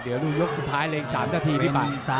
หรือว่าผู้สุดท้ายมีสิงคลอยวิทยาหมูสะพานใหม่